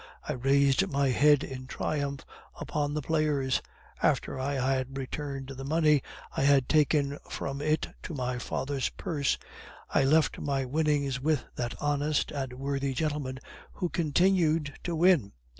I raised my head in triumph upon the players. After I had returned the money I had taken from it to my father's purse, I left my winnings with that honest and worthy gentleman, who continued to win.